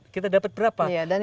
kita dapat berapa